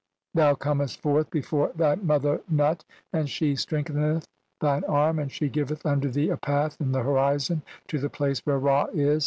Thou comest forth before thy mother Nut, and "she strengtheneth thine arm and she giveth unto thee "a path (1 1) in the horizon to the place where Ra "is.